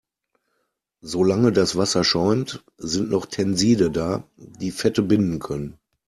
Solange das Wasser schäumt, sind noch Tenside da, die Fette binden können.